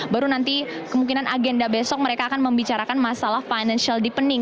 baru nanti kemungkinan agenda besok mereka akan membicarakan masalah financial deepening